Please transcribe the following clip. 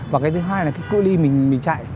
và thứ hai là cơ ly mình chạy